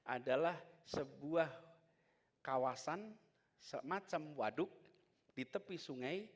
adalah sebuah kawasan semacam waduk di tepi sungai